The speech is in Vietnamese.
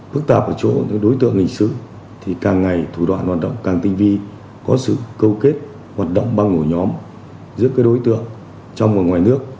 phức tạp ở chỗ đối tượng hình sự thì càng ngày thủ đoạn hoạt động càng tinh vi có sự câu kết hoạt động ban ngũ nhóm giữa đối tượng trong và ngoài nước